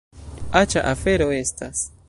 Aĉa afero estas!